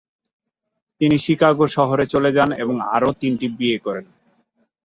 তিনি শিকাগো শহরে চলে যান এবং আরও তিনটি বিয়ে করেন।